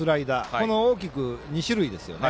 この大きく２種類ですね。